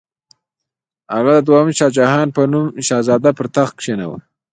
هغه د دوهم شاهجهان په نوم شهزاده پر تخت کښېناوه.